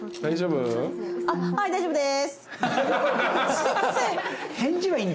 すいません。